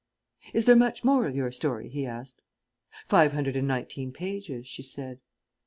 "Is there much more of your story?" he asked. "Five hundred and nineteen pages," she said.